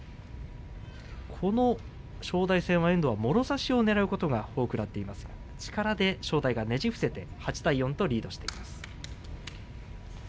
この正代戦は遠藤はもろ差しをねらうことが多くなっていますが力で正代がねじ伏せて８対４とリードしています。